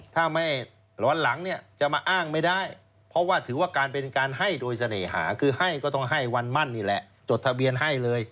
ถ้าไม่ร้อนหลังเนี่ยจะมาอ้างไม่ได้เพราะว่าถือว่าการเป็นการให้โดยเสน่หาคือให้ก็ต้องให้วันมั่นนี่แหละจดทะเบียนให้เลย